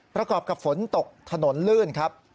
ประกอบกับฝนตกถนนลื่นครับ